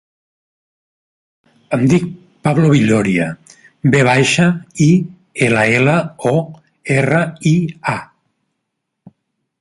Em dic Pablo Villoria: ve baixa, i, ela, ela, o, erra, i, a.